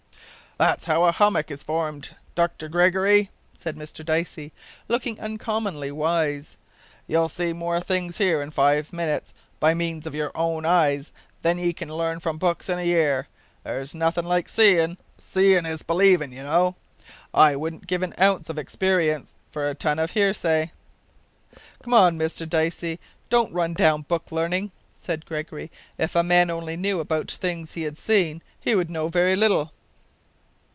"That's how a 'ummuck is formed, Dr Gregory," said Mr Dicey, looking uncommonly wise. "You'll see more things here in five minutes, by means of your own eyes, than ye could learn from books in a year. There's nothin' like seein'. Seein' is believin', you know. I wouldn't give an ounce of experience for a ton of hearsay." "Come, Mr Dicey, don't run down book learning," said Gregory. "If a man only knew about things that he had seen, he would know very little."